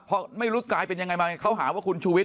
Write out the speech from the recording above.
เพราะไม่รู้กลายเป็นยังไงมาเขาหาว่าคุณชูวิท